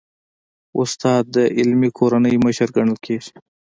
استاد د علمي کورنۍ مشر ګڼل کېږي.